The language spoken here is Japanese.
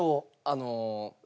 あの。